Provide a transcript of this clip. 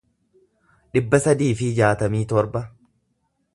dhibba sadii fi jaatamii torba